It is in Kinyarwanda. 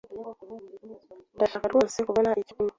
Ndashaka rwose kubona icyo kunywa.